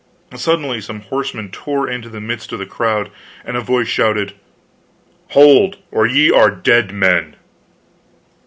Suddenly some horsemen tore into the midst of the crowd, and a voice shouted: "Hold or ye are dead men!"